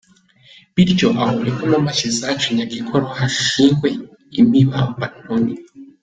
Bityo aho inkomamashyi zacinyaga inkoro hashingwe imibambantoni.